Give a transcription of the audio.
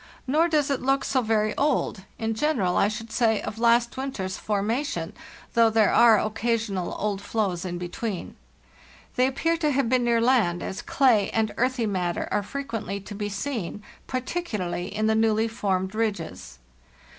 Nor does it look so very old—in general, I should say, of last winter's formation, though there are occasional old floes in between. They appear to have been near land, as clay and earthy matter are frequently to be seen, particularly in the newly formed ridges.